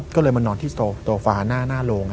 ก็เลยมานอนที่โซฟาหน้าโรง